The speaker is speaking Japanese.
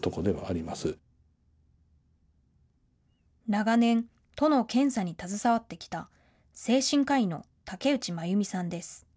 長年、都の検査に携わってきた精神科医の竹内真弓さんです。